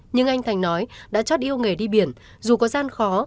nhưng anh thành nói đã chót yêu nghề đi biển dù có gian khó